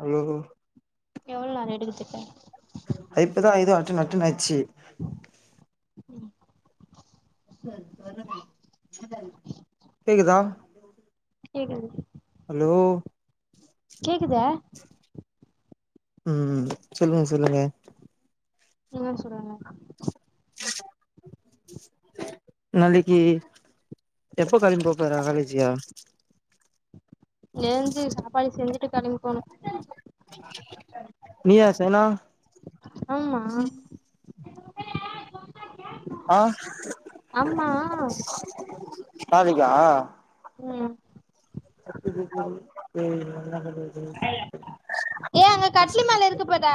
Hello எவள்‌ நேர எடுக்கற்துக்க அது இப்பதா இது அட்டன் அட்டன் ஆச்சு கேக்குதா கேக்குது ஹலோ கேக்குதா ம் சொல்லுங்க சொல்லுங்க நீங்க சொல்லுங்க நாளக்கி எப்ப கெளம்பி போப்போற வேலக்கி ஏஞ்சு சாப்பாடு செஞ்சுட்டு கெளம்பி போனு நீயா செய்னு? ஆமா ஆஹ் ஆமா நாளிக்கா ம் [inaudible] ஏ அங்க கட்லு மேல இருக்கு பார்டா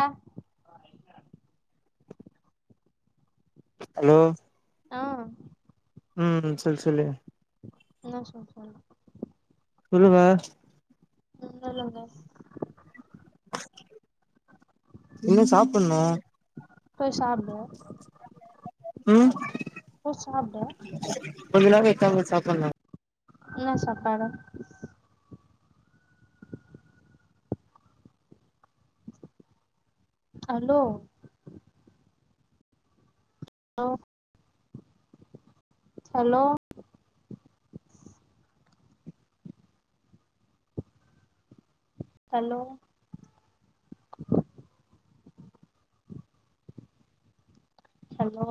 ஹலோ ஆ ம் சொல்லு சொல்லு என்ன சொல்ல சொல்லு சொல்லுங்க ஒன்னு இல்லங்க இரு சாப்புட்னு போய் சாப்டு ம் போய் சாப்டு கொஞ்ச நேரோ கழிச்சுதாங்க சாப்பன்னு என்ன சாப்பாடு hello low hello hello hello